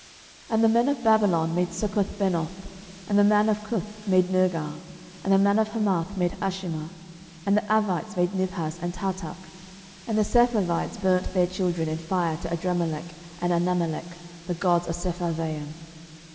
12:017:030 And the men of Babylon made Succothbenoth, and the men of Cuth made Nergal, and the men of Hamath made Ashima, 12:017:031 And the Avites made Nibhaz and Tartak, and the Sepharvites burnt their children in fire to Adrammelech and Anammelech, the gods of Sepharvaim.